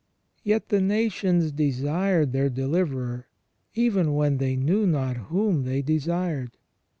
Yet the nations desired their deliverer, even when they knew not whom they desired.